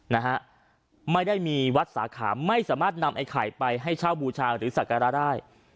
นะฮะไม่ได้มีวัดสาขาไม่สามารถนำไอ้ไข่ไปให้เช่าบูชาหรือสักการะได้